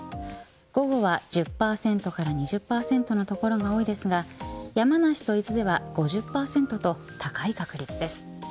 午後は１０％から２０％の所が多いですが山梨と伊豆では５０％と高い確率です。